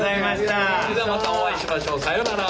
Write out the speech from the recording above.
それではまたお会いしましょう。さようなら。